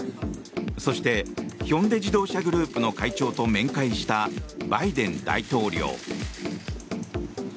そしてヒョンデ自動車グループの会長と面会したバイデン大統領。